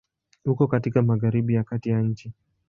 Uko katika Magharibi ya Kati ya nchi.